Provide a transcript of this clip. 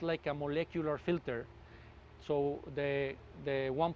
sebenarnya ini seperti filter molekuler